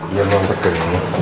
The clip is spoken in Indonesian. iya bang betul